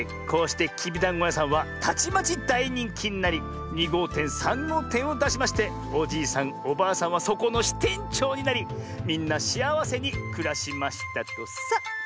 こうしてきびだんごやさんはたちまちだいにんきになり２ごうてん３ごうてんをだしましておじいさんおばあさんはそこのしてんちょうになりみんなしあわせにくらしましたとさ。